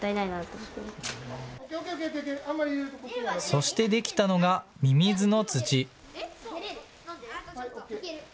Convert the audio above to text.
そして出来たのがミミズの土。